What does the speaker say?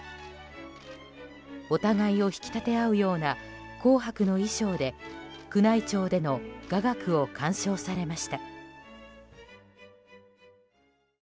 お互いを引き立てあうような紅白の衣装で宮内庁での雅楽を鑑賞されました。